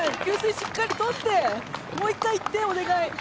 しっかり取ってもう１回行って、お願い。